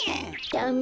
ダメ。